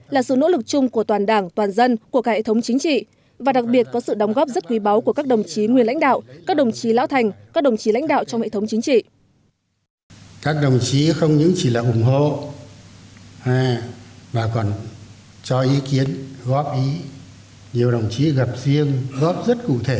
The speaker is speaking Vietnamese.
là sự nỗ lực chung của toàn đảng toàn dân của cả hệ thống chính trị và đặc biệt có sự đồng góp rất quý báu của các đồng chí nguyên lãnh đạo các đồng chí lão thành các đồng chí lãnh đạo trong hệ thống chính trị